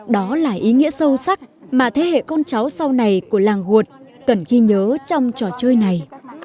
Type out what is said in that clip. đó là ý nghĩa sâu sắc mà thế hệ con cháu sau này của làng hụt cần ghi nhớ trong trò chơi này